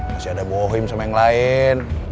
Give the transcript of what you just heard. masih ada bohim sama yang lain